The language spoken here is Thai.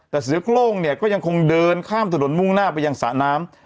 แต่เสือโครงเนี่ยก็ยังคงเดินข้ามถนนมุ่งหน้าไปยังสระน้ำ